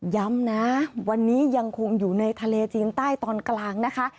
ย้ำนะวันนี้ยังคงอยู่ในทะเลจีนใต้ตอนกลางนะคะ